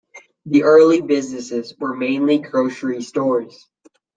The early businesses were mainly grocery stores.